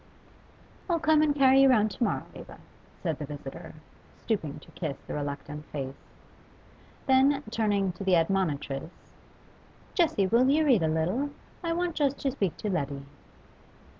'I'll come and carry you round to morrow, Eva,' said the visitor, stooping to kiss the reluctant face. Then, turning to the admonitress, 'Jessie, will you read a little? I want just to speak to Letty.